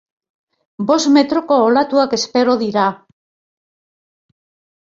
Bost metroko olatuak espero dira.